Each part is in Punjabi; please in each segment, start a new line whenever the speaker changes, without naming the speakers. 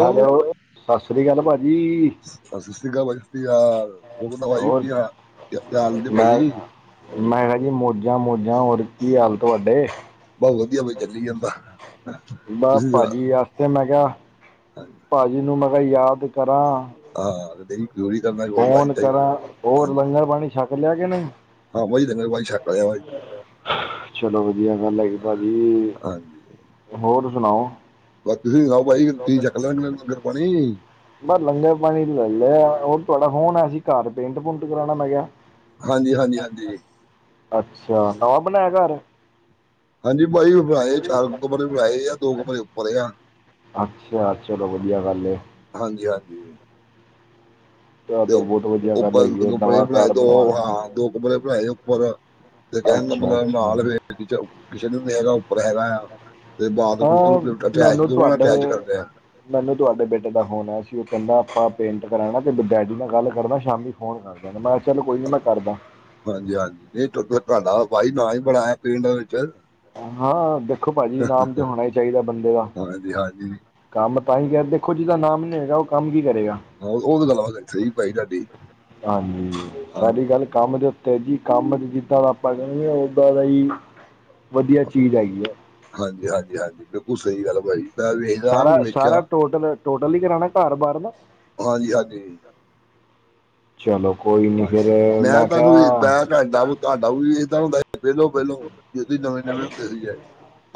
ਹੈਲੋ ਸਸਰੀਕਾਲ ਭਾਜੀ।
ਸਸਰੀਕਾਲ ਭਾਜੀ ਸਸਰੀਕਾਲ ਹੋਰ
ਹੋਰ
ਕੀ ਹਾਲ ਚਾਲ ਭਾਜੀ।
ਮੈਂਖਾ ਜੀ ਮੌਜਾਂ ਮੋਜਾਂ ਹੋਰ ਕੀ ਹਾਲ ਤੁਹਾਡੇ।
ਬਹੁਤ ਵਧੀਆ ਬਾਈ ਚੱਲੀ ਜਾਂਦਾ।
ਮੈ
ਤੁਸੀਂ
ਭਾਜੀ
ਸੁਣਾਓ
ਆਸਤੇ ਮੈਂ ਕਿਹਾ
[unintelligible]
ਭਾਜੀ ਨੂੰ ਮੈਂਖਾ ਯਾਦ ਕਰਾਂ।
ਹਾਂ ਜ਼ਰੂਰੀ ਕਰਨਾ। ਭਾਜੀ
ਫੋਨ
ਚਾਹੀਦਾ
ਕਰਾਂ ਹੋਰ
ਹਾਂਜੀ
ਲੰਗਰ ਪਾਣੀ ਛੱਕ ਲਿਆ ਕਿ ਨਹੀਂ।
ਹਾਂ ਬਹੀ ਲੰਗੁਰਬਾਣੀ ਛਕ ਲਿਆ ਬਾਈ ਜੀ।
ਚਲੋ ਵਧੀਆ ਗੱਲ ਹੈਗੀ ਭਾਜੀ।
ਹਾਂਜੀ
ਹੋਰ ਸੁਣਾਓ?
ਬਸ ਤੁਸੀਂ ਸੁਣਾਓ ਭਾਜੀ ਤੁਸੀਂ ਛੱਕ ਲਿਆ ਲੰਗਰ ਪਾਣੀ।
ਬਸ ਲੰਗਰਪਾਣੀ ਲੈ ਲਿਆ ਹੋਰ ਤੁਹਾਡਾ ਫੋਣ ਆ ਸੀ। ਘਰ ਪੇਂਟ ਪੂਟ ਕਰਾਣਾ ਮੈਖਾਂ।
ਹਾਂਜੀ ਹਾਂਜੀ ਹਾਂਜੀ
ਅੱਛਾ ਨਵਾਂ ਬਣਾਇਆ ਘਰ।
ਹਾਂਜੀ ਬਾਈ ਬਣਾਏ ਚਾਰ ਕਮਰੇ ਬਣਾਏ ਆ ਦੋ ਕਮਰੇ ਉੱਪਰ ਆ।
ਅੱਛਿਆ ਚਲੋ ਵਧੀਆ ਗੱਲ ਏ।
ਹਾਂਜੀ ਹਾਂਜੀ
ਇਹ
ਤੇ
ਤਾਂ ਬਹੁਤ ਵਧੀਆ ਗੱਲ
ਉੱਪਰ
ਹੈਗੀ ਹੈ
ਕਮਰੇ ਬਣੇ
ਨਵਾਂ
ਬਣਾਏ।
ਘਰ
ਦੋ
ਬਣਵਾਇਆ
ਹਾਂ ਦੋ ਕਮਰੇ ਬਣਾਏ ਉੱਪਰ। ਤੇ ਕਹਿਣ
ਅੱਛਾ
ਮਤਲਬ
ਅੱਛਾ
[unintelligible] ਕਿਚਨ ਵੀ ਨੀ ਹੈਗਾ ਉੱਪਰ ਹੈਗਾ ਆ। ਤੇ ਬਾਤ ਬੂਥ
ਹਾਂ
ਅਟੈਚ
ਮੈਨੂੰ
ਦੋਵਾਂ
ਤੁਹਾਡੇ
ਅਟੈਚ ਕਰਦੇ ਆ।
ਮੈਨੂੰ ਤੁਹਾਡੇ ਬੇਟੇ ਦਾ ਫੋਨ ਆਇਆ ਸੀ। ਉਹ ਕਹਿੰਦਾ ਆਪਾਂ ਪੇਂਟ ਕਰਾਣਾ ਤੇ ਡੈਡੀ ਨਾਲ ਗੱਲ ਕਰਨਾ ਸ਼ਾਮੀ ਫੋਨ ਕਰ ਮੈਂ ਆਖਿਆ ਕੋਈ ਨੀ ਮੈਂ ਕਰਦਾ।
ਹਾਂਜੀ ਹਾਂਜੀ ਨਹੀਂ ਤੁਹਾਡਾ ਭਾਈ ਨਾਂ ਹੀ ਬੜਾ ਪਿੰਡ ਵਿੱਚ।
ਹਾਂ ਦੇਖੋ ਭਾਜੀ ਨਾਮ ਤੇ ਹੋਣਾ ਹੀ ਚਾਹੀਦਾ ਬੰਦੇ ਦਾ।
ਹਾਂਜੀ ਹਾਂਜੀ
ਕੰਮ ਤਾਂ ਹੀ ਕਿਹਾ ਦੇਖੋ ਜਿਹਦਾ ਨਾਮ ਨੀ ਹੈਗਾ ਉਹ ਕੰਮ ਕੀ ਕਰੇਗਾ।
ਹਾਂ, ਉਹ ਉਹ ਤਾਂ ਗੱਲ ਵਾ-
[unintelligible]
ਸਹੀ ਭਾਈ ਤੁਹਾਡੀ
ਹਾਂਜੀ ਸਾਡੀ
ਹਾਂਜੀ
ਗੱਲ ਕੰਮ ਦੇ ਉ ਤੇ ਜੀ ਕੰਮ ਨੀ ਕੀਤਾ ਦਾ ਆਪਾਂ ਕਹਿਦਾਗੇ ਉੱਦਾਂ ਦਾ ਜੀ। ਵਧੀਆ ਚੀਜ ਹੈਗੀ ਆ।
ਹਾਂਜੀ- ਹਾਂਜੀ-ਹਾਂਜੀ ਬਿਲਕੁਲ ਸਹੀ ਗੱਲ ਆ ਭਾਜੀ।
ਸਾਰਾ-ਸਾਰਾ ਟੋਟਲ-ਟੋਟਲ ਹੀ ਕਰਾਉਣਾ ਘਰ ਬਾਹਰ ਦਾ।
ਹਾਂਜੀ-ਹਾਂਜੀ।
ਚਲੋ ਕੋਈ ਨਹੀਂ
ਹਾਂਜੀ
ਫਿਰ
ਮੈਂ ਤੁਹਾਨੂੰ ਵੀ
ਕਿਹਾ
ਏਦ੍ਹਾ [unintelligible] ਜਿਦੇ ਨਵੇ- ਨਵੇਂ ਹੁੰਦੇ ਸੀਗੇ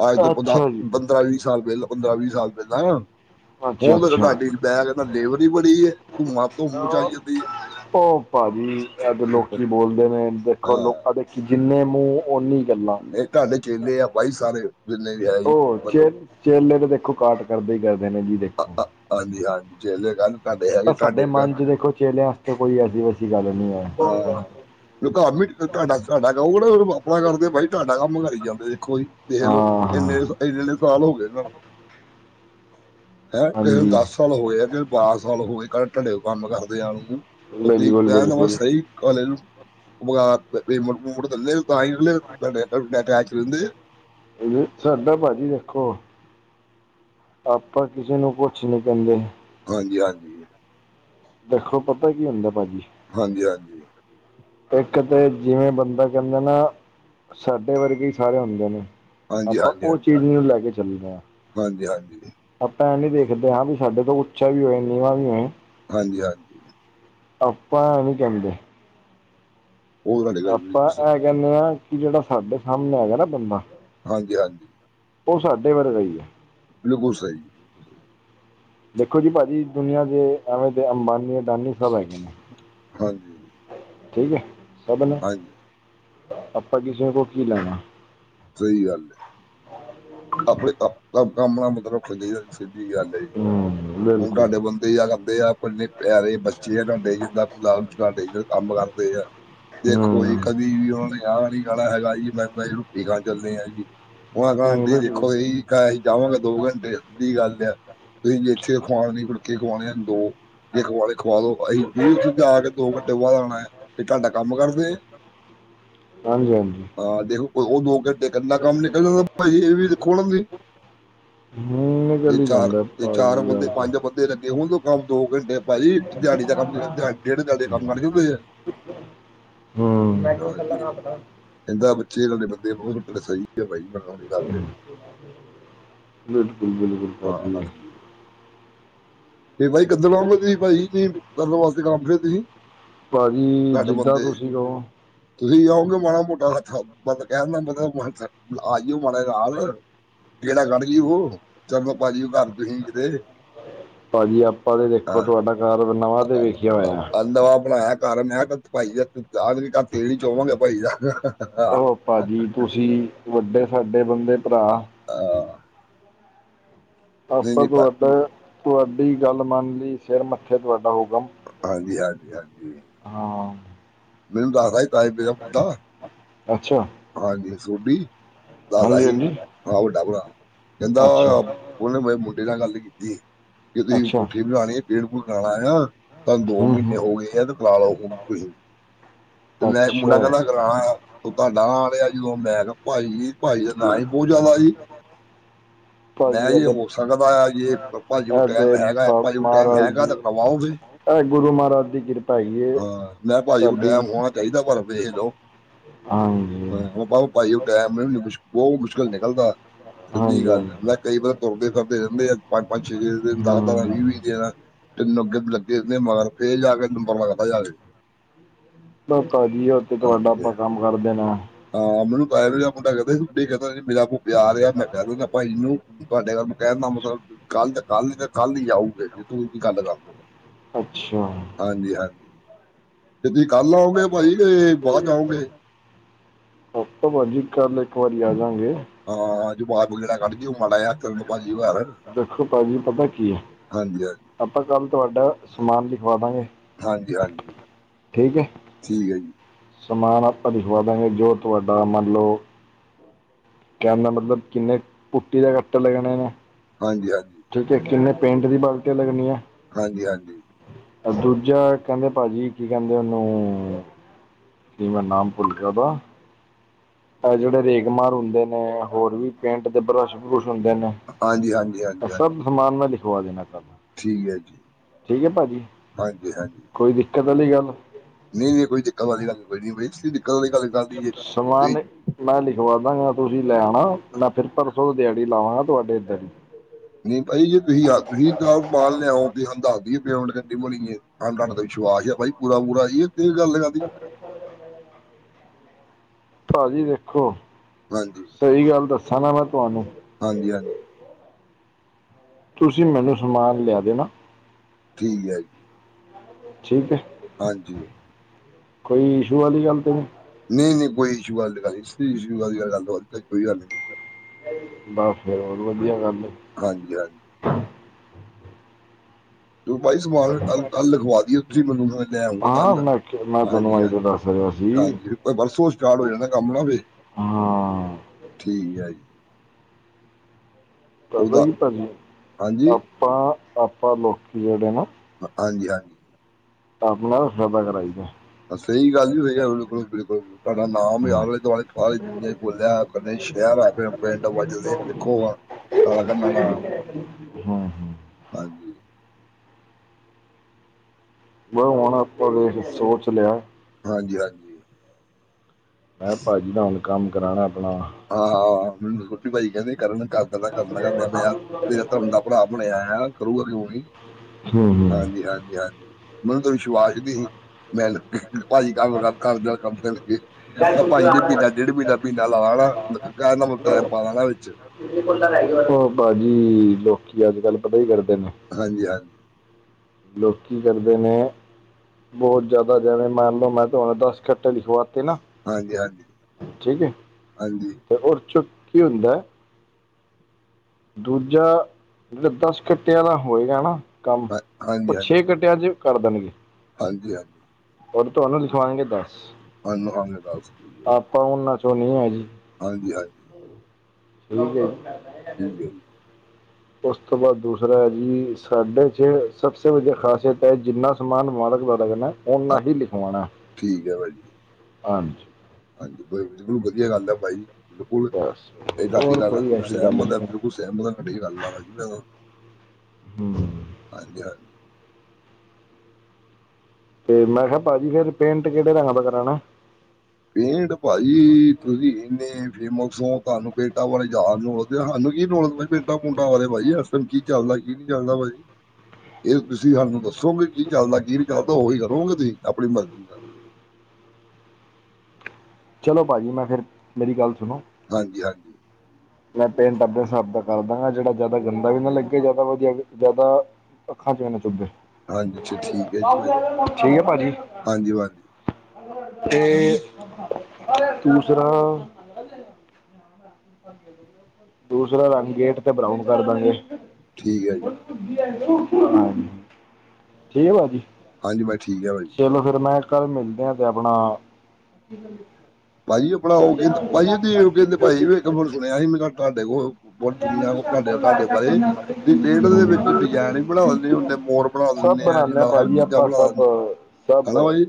ਆਜ ਤੋਂ
ਅੱਛਾ ਜੀ
ਪੰਜਾਹ ਚਾਲੀ ਸਾਲ ਪਹਿਲਾਂ ਪੰਦਰਾਂਹ ਵੀਹ-ਸਾਲ ਪਹਿਲਾਂ। ਹੁਣ
ਅੱਛਾ
ਤੇ
ਅੱਛਾ
ਤੁਹਾਡੀ ਬੈਗ ਨਾ ਲੇਵਰੀ ਹੀ ਬੜੀ ਧੂੰਆਂ- ਧੁੰਮ ਮਚਾਈ ਜਾਂਦੀ ਏ।
ਉਹ ਭਾਜੀ ਅੱਜ ਲੋਕੀ ਬੋਲਦੇ ਨੇ ਦੇਖੋ
ਹਾਂ
ਲੋਕ ਦੇ ਜਿੰਨੇ ਮੂੰਹ ਓਨੀ ਗੱਲਾਂ।
ਨਹੀਂ ਤੁਹਾਡੇ ਚੇਲੇ ਆ ਬਾਈ ਸਾਰੇ ਜਿੰਨੇ ਵੀ ਹੈ ਜੀ
ਉਹ ਚੇ
ਮਤਲਬ।
ਚੇਲੇ ਤੇ ਦੇਖੋ ਕਾਟ ਕਰਦੇ ਹੀ ਕਰਦੇ ਨੇ ਜੀ ਦੇਖੋ
ਹਾਂਜੀ- ਹਾਂਜੀ ਚੇਲੇ ਗੱਲ।
ਪਰ ਸਾਡੇ ਮਨ 'ਚ' ਦੇਖੋ ਚੇਲਿਆਂ ਵਾਸਤੇ ਕੋਈ ਐਸੀ ਵੈਸੀ ਗੱਲ ਨਹੀਂ ਹੈ।
ਆਹ ਕੰਮ ਵੀ ਤੁਡਾ- ਤੁਡਾ ਕਹਊ ਨਾ ਫਿਰ ਆਪਣਾ ਕਰਦੇ ਬਾਈ ਤੁਹਾਡਾ ਕੰਮ ਕਰਾਈ ਜਾਂਦੇ ਨੇ। ਕੋਈ ਦੇਖ ਲਓ
ਹਾਂ ਹਾਂ
ਇੰਨੇ-ਇੰਨੇ- ਇੰਨੇ ਸਾਲ ਹੋ ਗਏ ਇਹਨਾਂ ਨੂੰ। ਹੈਂ ਕਿਸੇ ਨੂੰ
ਹਾਂਜੀ
ਦੱਸ ਸਾਲ ਹੋਏ ਆ ਕਿਸੇ ਨੂੰ ਬਾਰਾਂ ਸਾਲ ਹੋਏ ਕ ਢੰਡੇ ਕੰਮ ਕਰਦਿਆਂ ਨੂੰ ਤੇ ਤੁਸੀ
ਬਿਲਕੁਲ
ਕਹਿ ਦੇਣਾ
ਬਿਲਕੁਲ
ਸੀ। [unintelligible] ਦੇ [unintelligible]
ਏ ਸਾਡਾ ਭਾਜੀ ਦੇਖੋ। ਆਪਾਂ ਕਿਸੇ ਨੂੰ ਕੁਛ ਨੀ ਕਹਿੰਦੇ।
ਹਾਂਜੀ-ਹਾਂਜੀ।
ਦੇਖੋ ਪਤਾ ਕੀ ਹੁੰਦਾ ਭਾਜੀ।
ਹਾਂਜੀ-ਹਾਂਜੀ।
ਇੱਕ ਤੇ ਜਿਵੇਂ ਬੰਦਾ ਕਹਿੰਦੇ ਨਾ ਸਾਡੇ ਵਰਗੇ ਹੀ ਸਾਰੇ ਹੁੰਦੇ ਨੇ। ਆਪਾਂ ਉਹ ਚੀਜ਼ ਨੂੰ ਲੈ ਕੇ ਚੱਲਦੇ ਆ।
ਹਾਂਜੀ-ਹਾਂਜੀ।
ਆਪਾਂ ਐ ਨੀ ਦੇਖਦੇ ਹਾਂ ਵੀ ਸਾਡੇ ਤੋਂ ਉੱਚਾ ਵੀ ਏ ਨੀਵਾਂ ਵੀ ਏ।
ਹਾਂਜੀ- ਹਾਂਜੀ।
ਆਪਾ ਇਹ ਨੀ ਕਹਿੰਦੇ
ਉਹ ਤੁਹਾਡੀ ਗੱਲ
ਆਪਾਂ
ਬਿਲਕੁਲ ਸਹੀ
ਇਹ ਕਹਿੰਦੇ ਆ ਕਿ ਜਿਹੜਾ ਸਾਡੇ ਸਾਹਮਣੇ ਹੈਗਾ ਨਾ ਬੰਦਾ
ਹਾਂਜ- ਹਾਂਜੀ।
ਉਹ ਸਾਡੇ ਵਰਗਾ ਹੀ ਏ।
ਬਿਲਕੁਲ ਸਹੀ। ਬਿਲਕੁਲ ਸਹੀ।
ਦੇਖੋ ਜੀ, ਭਾਜੀ ਦੁਨੀਆਂ ਦੇ ਐਵੇਂ ਤੇ ਅੰਬਾਨੀ- ਅਡਾਨੀ ਸਬ ਹੈਗੇ ਨੇ।
ਹਾਂਜੀ।
ਠੀਕ ਹੈ, ਸਭ ਨੇ
ਹਾਂਜੀ
ਆਪਾਂ ਕਿਸੇ ਕੋਲ ਕੀ ਲੈਣਾ।
ਸਹੀ ਗੱਲ ਹੈ। ਆਪਣੀ ਕੰਮ -ਕਾਮ ਨਾਲ਼ ਮਤਲਬ ਰੱਖਣਾ ਚਾਹੀਦਾ ਸਿੱਧੀ ਗੱਲ ਹੈ ਜੀ।
ਹਮ।
ਹੁਣ ਤੁਹਾਡੇ ਬੰਦੇ ਯਾਦ ਆਂਦੇ ਆ। ਇੰਨੇ ਪਿਆਰੇ ਬੱਚੇ ਆ ਤੋਡੇ [unintelligible] ਘੰਟੇ 'ਚ ਕੰਮ ਕਰਦੇ ਆ। ਦੇਖੋ
ਹੂੰ
ਜੀ, ਕਦੀ ਵੀ ਉਹਨਾ ਨੇ ਆ ਨੀ ਕਹਿਣਾ, ਹੈਗਾ ਜੀ ਮੈਂ ਰੋਟੀ ਖਾਣ ਚੱਲੇ ਆ ਜੀ। ਉਨ੍ਹਾਂ ਕਹਿਣਾ
ਹੂੰ
ਆਂਟੀ ਦੇਖੋ,
ਬਿਲਕੁਲ
ਘਰ ਅਸੀ ਜਾਵਾਂਗੇ ਦੋ ਘੰਟੇ ਦੀ ਗੱਲ ਆ ਸਿੱਧੀ ਜੇ। ਛੇ ਖਵਾਣੇ ਨੀ, ਫੁਲਕੇ ਖਵਾਣੇ ਦੋ, ਖਵਾਣੇ ਲੋ ਅਸੀਂ ਮੈਨੂੰ ਸਮਝਾਇਆ ਕੇ ਦੋ ਘੰਟੇ ਬਾਅਦ ਆਣਾ ਤੇ, ਤੁਹਾਡਾ ਕੰਮ ਆ ਕਰਦੇ।
' [inaudible] ' ਹਾਂਜੀ-ਹਾਂਜੀ।
ਅਹ ਦੇਖੋ, ਉਹ ਦੋ ਘੰਟੇ। ਕਿੰਨਾ ਕੰਮ ਨਿਕਲ ਜਾਂਦਾ ਭਾਈ, ਇਹ ਵੀ ਦੇਖੋ ਹਨਾ ਤੁਸੀਂ ' [inaudible]
ਹੂੰ
' ਜੇ
ਨਿਕਲ ਹੀ
ਚਾਰ।
ਜਾਂਦਾ
ਜੇ ਚਾਰ
ਭਾਜੀ
ਬੰਦੇ,
ਯਾਰ ਤੇ।
ਪੰਜ ਬੰਦੇ ਲੱਗੇ ਹੋਣ, ਕੰਮ ਦੋ ਘੰਟੇ। ਭਾਜੀ ਇੱਕ ਦਿਹਾੜੀ ਦਾ ਕੰਮ ਦਿਹਾ ਡੇਢ ਦਿਹਾੜੀ ਕੰਮ ਬਣ ਜੋ।
ਹਮ' ' [unintelligible]
ਕਹਿੰਦਾ, ਬੱਚੇ ਇਕੱਲੇ ਬੰਦੇ ਬਹੁਤ ਸਹੀ ਐ, ਬਾਈ ਮੈਂ ਦੀ ਗੱਲ।
' [inaudible] ' ਬਿਲਕੁੱਲ-ਬਿਲਕੁੱਲ
ਹਾਂ
ਕਰਦੇ ਐ।
ਫਿਰ ਭਾਈ ਕਿੱਦਣ ਆਓਗੇ, ਤੁਸੀ ਭਾਈ, ਕਰਨ ਵਾਸਤੇ ਕੰਮ ਫਿਰ ਤੁਸੀ?
ਭਾਂਜੀ, ਜਿੱਦਾਂ ਤੁਸੀ ਕਹੋ?
ਤੁਸੀ ਜਾਓਗੇ ਮਾੜਾ-ਮੋਟਾ ' [unintelligible] ' ਕਹਿਣ ਦਾ ਮਤਲਬ ਆਈ ਓ ਮਾੜਾ ਨਾਲ। ਗੇੜਾ ਕੱਢ ਜੀ ਓ, ਉਹ ਚਰਨ ਪਾ ਜੀ ਘਰ ਤੁਸੀ ਕਦੇ।
ਭਾਜੀ ਆਪਾਂ ਤੇ ਦੇਖੋ, ਤੁਹਾਡਾ ਘਾਰ ਨਵਾ ਤੇ ਵੇਖਿਆ ਹੋਇਆਂ।
ਨਵਾਂ ਬਣਾਇਆ। ਘਰ ਮੈਂ ਕਿਹਾ ਭਾਈ, ਦਾ ਆ ਆਧ ਪੱਕਾ ਤੇਲ ਹੀ, ਚੋਵਾਂਗੇ ਭਾਈ ਦਾ
ਜੀ ਵੱਡੇ ਸਾਡੇ ਬੰਦੇ, ਭਰਾ।
ਆ।
ਆਪਾਂ
ਨਹੀਂ ਪਰ
ਤੁਹਾਡਾ ਤੁਹਾਡੀ ਗੱਲ ਮੰਨ, ਲਈ ਸਿਰ ਮੱਥੇ ਤੁਹਾਡਾ ਹੁਕਮ।
ਹਾਂਜੀ-ਹਾਂਜੀ, ਹਾਂਜੀ।
ਹਾਂ।
ਮੈਨੂੰ ਦੱਸਦਾ ਸੀ, ਤਾਏ ਮੇਰੇ ਦਾ ਮੁੰਡਾ।
' [inaudible] ' ਅੱਛਿਆ।
ਹਾਂਜੀ, ਸੋਢੀ ਦੱਸਦਾ ਸੀ।
ਹਾਂਜੀ
ਹਾਂ ਵੱਡਾ ਭਰਾ ਕਹਿੰਦਾ
ਅੱਛਾ
ਆ। ਉਹਨੇ ਮੇਰੇ ਮੁੰਡੇ ਨਾਲ ਗੱਲ ਕੀਤੀ ਕਿ, ਤੁਸੀਂ
ਅੱਛਾ
ਕੋਠੀ ਬਣਾਣੀ ਹੈ ਪੇਂਟ ਪੂਟ ਕਰਾਣਾ ਆ। ਕੱਲ੍ਹ ਦੋ
ਹੂੰ
ਮਹੀਨੇ
ਹੂੰ
ਹੋ ਗਏ ਆ ਤੇ, ਖਿਲਾਰਾ ਉਵੇਂ ਹੀ ਪਿਆ। ਤੇ ਮੈਂ ਮੁੰਡਾ
ਅੱਛਾ
ਕਹਿੰਦਾ ਕਰਾਣਾ ਆ, ਤੁਹਾਡਾ ਨਾਂ ਲਿਆ ਜਦੋਂ ਮੈਂ ਕਿਹਾ ਭਾਈ ਭਾਈ ਦਾ ਨਾਂ ਹੀ ਬਹੁਤ ਜ਼ਿਆਦਾ ਜੀ।' ' [inaudible] ਮੈਂ
ਭਾਜੀ
ਇਹ
ਤੇ
ਹੋ ਸਕਦਾ ਜੇ ਭਾਜੀ
ਇਹ
ਟਾਈਮ
ਤੇ
ਹੈਗਾ, ਭਾਜੀ ਟਾਈਮ
ਮਹਾਰਾਜ
ਹੈਗਾ
ਜੀ
ਤਾਂ ਕਰਵਾਓ ਫਿਰ।
ਇਹ ਗੁਰੂ ਮਹਾਰਾਜ ਦੀ ਕਿਰਪਾ ਹੀ ਏ, ਤੁਹਾਡੀ।
ਹੋਣ ਚਾਹੀਦਾ, ਪਰ ਵੇਖ ਲਓ।
ਹਾਂਜੀ।
' [unintelligible] ' ਉਹ ਟਾਈਮ ਬਹੁਤ ਮੁਸ਼ਕਿਲ ਨਿਕਲਦਾ। ਸਿੱਧੀ ਗੱਲ ਆ। ਮੈਂ
ਹਾਂਜੀ-ਹਾਂਜੀ।
ਕਈ ਵਾਰੀ ਤੁਰਦੇ-ਫਿਰਦੇ ਰਹਿੰਦੇ ਆ, ਪੰਜ-ਪੰਜ, ਛੇੇ-ਛੇ ਦਿਨ ਦਸ-ਦਸ
ਹੂੰ
ਵੀਹ-ਵੀਹ ਦਿਨ। ਤਿੰਨ ਅੱਗੇ ਲੱਗੇ ਨੇ ਮਗਰ ਫੇਰ ਜਾ ਕੇ ਨੰਬਰ ਲੱਗਦਾ ਜਾਕੇ।
ਬੱਸ ਭਾਜੀ, ਅੱਜ ਤੇ ਤੁਹਾਡਾ
ਹਾਂਜੀ
ਆਪਾਂ ਕੰਮ ਕਰ ਦੇਣਾ।
ਹਾਂ ਮੈਨੂੰ' ' [unintelligible] ਆ ਰਿਹਾ, ਮੈਂ ਕਹਿ ਦਿੰਦਾ ਭਾਈ ਨੂੰ, ਤੁਹਾਡੇ ਕੰਮ ਮੈਂ ਕਹਿ ਦਿੰਦਾ ਮਤਲਬ ਕੱਲ੍ਹ ਤੇ, ਕੱਲ੍ਹ ਤੇ ਕੱਲ੍ਹ ਹੀ ਜਾਊ। ਵੀਰ ਜੀ ਤੁਸੀਂ ਗੱਲ ਕਰਲੋ,
ਅੱਛਾ
ਹਾਂਜੀ-ਹਾਂਜੀ। ਕੱਲ੍ਹ ਆਉਂਗੇ ਭਾਜੀ ਕੇ, ਬਾਅਦ 'ਚ' ਆਉਂਗੇ?
ਉਹ ਭਾਜੀ ਕੱਲ੍ਹ ਇੱਕ, ਵਾਰੀ ਆਜਾਂ ਗੇ।
ਹਾਂ ਜਦੋਂ ਆਪ ਗੇੜਾ ਕੱਢ ਦੀ ਉਹ ਮਾੜਾ ਜਾਂ [unintelligible]
ਦੇਖੋ ਭਾਂਜੀ ਪਤਾ ਕੀ ਐ,
ਹਾਂਜੀ
ਆਪਾਂ ਕੱਲ ਤੁਹਾਡਾ ਸਮਾਨ ਲਿਖਵਾਦਾਗੇ।
ਹਾਂਜੀ-ਹਾਂਜੀ।
ਠੀਕ ਐ।
ਠੀਕ ਐ ਜੀ।
ਸਮਾਨ ਆਪਾਂ ਲਿਖਵਾ ਦਾਂਗੇ ਜੋ ਤੁਹਾਡਾ ਮੰਨ ਲਓ। ਕਹਿਣ ਦਾ ਮਤਲਬ ਕਿੰਨੇ ਕੁੱਟੀ ਦਾ ਕੱਟ ਲੱਗਣੇ ਨੇ,
ਹਾਂਜੀ-ਹਾਂਜੀ।
ਠੀਕ ਐ ਕਿੰਨੇ ਪੇਂਟ ਦੀ ਬਾਲਟੀਆਂ ਲੱਗਣੀਆਂ।
ਹਾਂਜੀ-ਹਾਂਜੀ।
ਆ ਦੂਜਾ ਕਹਿੰਦੇ ਭਾਜੀ ਕੀ ਕਹਿੰਦੇ ਉਹਨੂੰ। ਕਿ ਮੈਂ ਨਾਮ ਭੁੱਲ ਗਿਆ ਉਹਦਾ। ਇਹ ਜਿਹੜੇ ਰੇਗਮਾਰ ਹੁੰਦੇ ਨੇ ਹੋਰ ਵੀ ਪੇਂਟ ਦੇ ਬਰੱਸ਼-ਬਰੁਸ਼ ਹੁੰਦੇ ਨੇ।
ਹਾਂਜੀ-ਹਾਂਜੀ,
ਇਹ
ਹਾਂਜੀ-ਹਾਂਜੀ।
ਸਭ ਸਮਾਨ ਨਾ ਲਿਖਵਾ ਦੇਣਾ ਕਰਨਾ।
ਠੀਕ ਐ ਜੀ, ਹਾਂਜੀ-ਹਾਂਜੀ।
ਕੋਈ ਦਿੱਕਤ ਆਲੀ ਗੱਲ।
ਨਹੀਂ-ਨਹੀਂ ਕੋਈ ਦਿੱਕਤ ਵਾਲੀ ਗੱਲ ਕੋਈ ਨੀ ਬਾਈ ਦਿੱਕਤ ਵਾਲੀ ਗੱਲ, ਕਰਦੀ ਜੇ ਤੁਸੀਂ
ਸਮਾਨ ਮੈਂ ਲਿਖਵਾ ਦਾਂਗਾ ਤੁਸੀਂ ਲੈ ਆਉਣਾ ਮੈਂ ਫਿਰ ਪਰਸੋਂ ਤੋਂ ਦਿਹਾੜੀ ਲਾਵਾਂਗਾ ਤੁਹਾਡੇ ਇੱਥੇ
ਨਹੀਂ ਭਜੀ ਜੇ ਤੁਸੀਂ [unintelligible] ਬਾਲ ਲਿਆਓ ਵੀ [unintelligible] ਹਾਂ ਤੁਹਾਡੇ ਤੇ ਵਿਸ਼ਵਾਸ ਆ ਬਾਈ ਪੂਰਾ-ਪੂਰਾ ਇਹ ਗੱਲ ਕਾਦੀ।
ਭਾਜੀ ਦੇਖੋ।
ਹਾਂਜੀ।
ਸਹੀ ਗੱਲ ਦੱਸਾਂ ਨਾ ਮੈਂ ਤੁਹਾਨੂੰ
ਹਾਂਜੀ-ਹਾਂਜੀ।
ਤੁਸੀਂ ਮੈਨੂੰ ਸਮਾਨ ਲਿਆ ਦੇਣਾ।
ਠੀਕ ਐ ਜੀ।
ਠੀਕ ਐ।
ਹਾਂਜੀ।
ਕੋਈ ਇਸ਼ੂ ਆਲੀ ਗੱਲ ਤੇ ਨਹੀਂ।
ਨਹੀਂ-ਨਹੀਂ ਕੋਈ ਇਸ਼ੂ ਆਲੀ ਗੱਲ ਇਸ਼ੂ ਆਲੀ ਕੋਈ ਗੱਲ ਨੀ।
ਬਸ ਫੇਰ ਹੋਰ ਵਧੀਆ ਗੱਲ ਏ‌।
ਹਾਂਜੀ-ਹਾਂਜੀ। ਤੂੰ ਬਾਈ ਸਮਾਨ ਕੱਲ੍ਹ-ਕੱਲ੍ਹ ਲਿਖਵਾ ਦੀਓ। ਤੁਸੀਂ ਮੈਨੂੰ ਲੈ ਆਉਂਗਾ ਗੱਲ
ਹਾਂ ਮੈਂ ਮੈਂ ਤੁਹਾਨੂੰ ਆਈ ਤਾਂ
ਹਾਂਜੀ-ਹਾਂਜੀ,
ਦੱਸ ਰਿਹਾ ਸੀ
ਹਾਂਜੀ ਬਰਸੋਂ, ਸਟਾਟ ਹੋ ਜਾਂਦਾ ਕੰਮ ਵੇ
ਹਾਂ।
ਠੀਕ ਐ ਜੀ।
[unintelligible]
ਉਹਦਾ
ਜੀ ਭਾਜੀ
ਹਾਂਜੀ
ਆਪਾਂ-ਆਪਾਂ ਲੋਕੀ ਜਿਹੜੇ ਨਾ,
ਹਾਂਜੀ-ਹਾਂਜੀ।
ਆਪਣਾ ਸੇਵਾ ਕਰਾਈ ਦਾ,
ਸਹੀ ਗੱਲ ਈ ਹੋਈ ਐ ਬਿਲਕੁਲ-ਬਿਲਕੁਲ ਤੁਹਾਡਾ ਨਾਮ ਈ
ਹੂੰ
ਆਲ਼ੇ-ਦੁਆਲ਼ੇ ਸਾਰੀ ਦੁਨੀਆਂ ਚ ਈ ਬੋਲਿਆ। [unintelligible] ਸ਼ਹਿਰ ਆ ਪਿੰਡ ਵੱਜ ਦੇ ਦੇਖੋ ਵ
[unintelligible]
ਹਾਂਜੀ।
ਬਸ ਹੁਣ ਆਪਾਂ ਤੇ ਦੇਖ ਸੋਚ ਲਿਆ।
ਹਾਂਜੀ-ਹਾਂਜੀ।
ਮੈਂ ਭਾਜੀ ਨਾਲ ਕੰਮ ਕਰਾਣਾ ਆਪਣਾ
ਹਾਂ-ਹਾਂ ਮੈਨੂੰ ਛੋਟੇ ਭਾਜੀ ਕਹਿੰਦੇ ਸੀ ਕਰਨ ਕਾ ਮੈਂ ਤਾਂ ਮੈਂ ਕਿਹਾ ਮੇਰਾ ਧਰਮ ਦਾ ਭਰਾ ਬਣਿਆ ਆ ਕਰੂਗਾ ਕਿਉਂ ਨੀ।
ਹੂੰ ਹੂੰ
ਹਾਂਜੀ-ਹਾਂਜੀ ਹਾਂਜੀ ਮੈਨੂੰ ਤਾਂ ਵਿਸ਼ਵਾਸ 'ਤੇ ਤੁਸੀਂ ਮੈਂ ਭਾਜੀ ਕੰਮ ਘਰ ਦਾ ਕੰਮ ਕਰਨ ਲਗੇ। ਭਾਜੀ ਨੇ ਮਹੀਨਾ ਡੇਢ ਮਹੀਨਾ ਮਹੀਨਾ ਲਾ ਲਾਣਾ ਕਹਿ ਦੇਣਾ ਟੈਮ ਪਾ ਲਾ ਨਾ ਵਿੱਚ।
[unintelligible] ਓ ਭਾਜੀ ਲੋਕੀਂ ਅੱਜ-ਕੱਲ੍ਹ ਪਤਾ ਕੀ ਕਰਦੇ ਨੇ।
ਹਾਂਜੀ-ਹਾਂਜੀ।
ਲੋਕੀ ਕਰਦੇ ਨੇ ਬਹੁਤ ਜ਼ਿਆਦਾ-ਜਿਆਦਾ ਮਾਰਨ। ਮੈਂ ਤੁਹਾਨੂੰ ਦਸ ਘੰਟੇ ਲਿਖਵਾਤੇ ਨਾ
ਹਾਂਜੀ-ਹਾਂਜੀ,
ਠੀਕ ਐ।
ਹਾਂਜੀ,
ਤੇ ਹੋਰ ਚੱਪੁ ਕੀ ਹੁੰਦਾ। ਦੂਜਾ ਜਿਹੜਾ ਦਸ ਘੰਟਿਆਂ ਦਾ ਹੋਏਗਾ ਨਾ ਕੰਮ। ਉਹ ਛੇ ਘੰਟੇ 'ਚ ਕਰ ਦੇਣਗੇ।
ਹਾਂਜੀ-ਹਾਂਜੀ।
ਔਰ ਤੁਹਾਨੂੰ ਲਿਖਵਾਂਗੇ ਦੱਸ।
ਇਹਨੂੰ ਆ ਗੇ ਦਸ
ਆਪਾਂ ਉਹਨਾਂ 'ਚੋ ਨੀ ਹੈਗੇ।
ਹਾਂਜੀ-ਹਾਂਜੀ। ਠੀਕ ਹੈ ਜੀ
[unintelligible] [inaudible] ਉਸ ਤੋਂ ਬਾਅਦ ਦੂਸਰਾ ਜੀ ਸਾਡੇ ਛੇ ਸਭ ਸੇ ਵਧੀਆ ਖਾਸੀਅਤ ਹੈ। ਜਿੰਨਾ ਸਮਾਨ ਮਾਲਕ ਤੁਹਾਡਾ ਕਹਿਣਾ
ਹਾਂ
ਉਨ੍ਹਾਂ ਹੀ ਲਿਖਵਾਉਣਾ
ਠੀਕ ਹੈ ਭਾਅ ਜੀ
[inaudible] ਹਾਂਜੀ।
ਹਾਂਜੀ, ਬਿਲਕੁਲ ਵਧੀਆ ਗੱਲ ਐ ਬਾਈ। ਬਿਲਕੁਲ
ਬਸ
ਮੈਂ ਤੁਹਾਡੀ
ਹੋਰ
ਗੱਲ
ਕੋਈ
ਨਾਲ
ਐਸੀ ਗੱਲ
ਸਹਿਮਤ
ਨਹੀਂ
ਆ
ਹੈ
ਬਿਲਕੁਲ। ਸਹਿਮਤ ਆ ਤੁਹਾਡੀ ਗੱਲ ਨਾਲ ਭਾਜੀ ਮੈਂ ਤਾਂ
ਹੂੰ
ਹਾਂਜੀ-ਹਾਂਜੀ।
'ਤੇ ਮੈਂ ਕਿਹਾ ਭਾਜੀ ਫਿਰ ਪੇਂਟ ਕਿਹੜੇ ਦਾ ਰੰਗ ਕਰਾਣਾ।
ਪੇਂਟ ਭਾਜੀ ਤੁਸੀਂ ਇੰਨੇ ਫੇਮਸ ਹੋ ਤੁਹਾਨੂੰ ਪੇਟਾਂ ਵਾਲੇ ਜਾਦ ਨੂੰ 'ਤੇ ਸਾਨੂੰ ਕੀ ਨੋਲਜ ਪੇਟਾ ਪੂੰਟਾਂ ਵਾਰੇ ਭਾਜੀ ਇਸ ਟਾਈਮ ਕੀ ਚੱਲਦਾ ਕੀ ਨੀ ਚੱਲਦਾ ਭਾਜੀ।
[inaudible]
ਇਹ ਤੁਸੀਂ ਸਾਨੂੰ ਦੱਸੋਗੇ ਕੀ ਚੱਲਦਾ ਕੀ ਨਹੀਂ ਚੱਲਦਾ। ਉਹੀ ਕਰੋਗੇ ਤੁਸੀਂ ਆਪਣੀ ਮਰਜ਼ੀ ਨਾਲ
ਚਲੋ ਭਾਜੀ, ਮੈਂ ਫਿਰ ਮੇਰੀ ਗੱਲ ਸੁਣੋ।
ਹਾਂਜੀ-ਹਾਂਜੀ।
[inaudible] ਮੈਂ ਪੇਂਟ ਆਪਣੇ ਹਿਸਾਬ ਦਾ ਕਰਦਾਂਗਾ। ਜਿਹੜਾ ਜ਼ਿਆਦਾ ਗੰਦਾ ਵੀ ਨਾ ਲੱਗੇ ਜਿਆਦਾ ਵਧੀਆ ਜ਼ਿਆਦਾ ਅੱਖਾਂ 'ਚ ਵੀ ਨਾ ਚੁਬੇ
ਹਾਂਜੀ ਅੱਛਾ ਠੀਕ ਹੈ ਜੀ ਭਾਜੀ
[inaudible] ਠੀਕ ਆ ਭਾਜੀ।
ਹਾਂਜੀ ਹਾਂਜੀ
[inaudible] 'ਤੇ [inaudible] ਦੂਸਰਾ ਦੂਸਰਾ ਰੰਗ ਗੇਟ 'ਤੇ ਬਰਾਉਨ ਕਰ ਦਾਂਗੇ।
ਠੀਕ ਐ ਜੀ।
ਹਾਂਜੀ [inaudible] ਠੀਕ ਆ ਭਾਜੀ।
ਹਾਂਜੀ ਬਸ ਠੀਕ ਐ ਭਾਜੀ।
ਚਲੋ ਫਿਰ ਮੈਂ ਕੱਲ੍ਹ ਮਿਲਦੇ ਆਂ 'ਤੇ ਆਪਣਾ
ਭਾਜੀ ਆਪਣਾ ਉਹ ਕਹਿੰਦਾ ਭਾਜੀ ਉਹ ਕਹਿੰਦੇ ਭਾਜੀ ਵੀ ਇੱਕ ਮਣ ਸੁਣਿਆ ਸੀ ਮੈਂ ਤੁਹਾਡੇ ਕੋਲ ਬਹੁਤ ਦੁਨੀਆਂ ਤੁਡੇ-ਤੁਡੇ ਬਾਰੇ ਦੀ ਪੇਂਟ ਦੇ ਵਿੱਚ ਡਿਜਾਇਨ ਵੀ ਬਣਾ ਦਿੰਦੇ ਓ। ਮੋਰ ਬਣਾ
ਸਭ
ਦਿੰਨੇ ਆਂ
ਬਣਾਉਂਦੇ ਹਾਂ
ਜਿੰਨਾ ਹਰ
ਭਾਜੀ
ਚੀਜ਼ਾਂ
ਆਪਾਂ
ਬਣਾ
ਸਭ
ਦਿੰਨੇ [inaudible]
ਸਭ
ਹਨਾ ਬਾਈ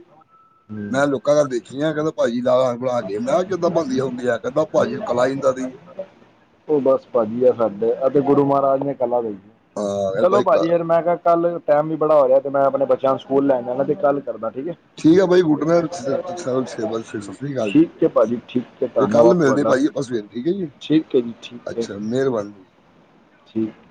ਹਮ।
ਕਹਿੰਦਾ ਦੇਖੀਆਂ, ਕਹਿੰਦਾ ਭਾਜੀ ਲਾਲਾ ਬਣਾ ਕੇ‌ ਮੈਂ ਕਿਹਾ ਕਿੱਦਾਂ ਬਣਦੀ ਹੁੰਦੀ ਆ ਕਹਿੰਦਾ ਭਾਜੀ ਕਲਾ ਹੀ ਇੰਦਾ ਦੀ ਏ।
ਉਹ ਬੱਸ ਭਾਜੀ ਆ ਸਾਡੇ ਅਤੇ ਗੁਰੂ ਮਹਾਰਾਜ ਨੇ ਕਲਾ ਦੇਣੀ ਏ
ਹਾਂ ਕਹਿੰਦਾ
ਚਲੋ
ਭਾਈ ਕ-
ਭਾਜੀ ਮੈਂ ਕਿਹਾ ਕੱਲ੍ਹ ਟਾਈਮ ਵੀ ਬੜਾ ਹੋ ਰਿਹਾ 'ਤੇ ਮੈਂ ਆਪਣੇ ਬੱਚਿਆਂ ਨੂੰ ਸਕੂਲ ਲੈਣ ਜਾਂਦਾ 'ਤੇ ਕੱਲ੍ਹ ਕਰਦਾ ਠੀਕ ਐ।
ਠੀਕ ਆ ਬਾਈ ਗੁੱਡ ਨਾਈਟ ਛੇੇੇ ' [unintelligible] ' ਸੱਸੀ੍ ਕਾਲ।
ਠੀਕ ਐ ਭਾਜੀ, ਠੀਕ ਐ, ਧੰਨਵਾਦ ਤੁਹਾਡਾ
ਭਾਜੀ ਆਪਾਂ ਸਵੇਰ ਠੀਕ ਹੈ ਜੀ
ਠੀਕ ਐ ਜੀ, ਠੀਕ ਐ।
ਅੱਛਾ ਮਿਹਰਬਾਨੀ ਜੀ
' [inaudible] ' ਠੀਕ।